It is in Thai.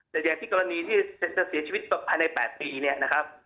แต่อย่างที่กรณีที่จะเสียชีวิตภายใน๘ปีเนี่ยนะครับ